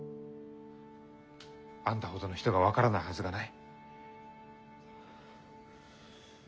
あんたほどの人が分からないはずがない。